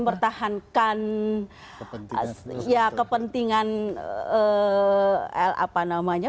mempertahankan ya kepentingan apa namanya